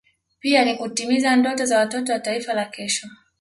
pia ni kutimiza ndoto za watoto wa Taifa la kesho